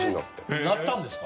なったんですか？